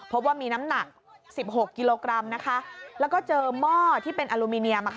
พบว่ามีน้ำหนัก๑๖กิโลกรัมแล้วก็เจอหม้อที่เป็นอลูมิเนียม